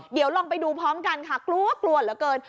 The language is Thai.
เดี๋ยวลองไปดูพร้อมกันค่ะกลัวกลัวเหลือเกิน